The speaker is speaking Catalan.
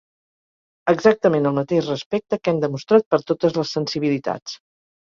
Exactament el mateix respecte que hem demostrat per totes les sensibilitats.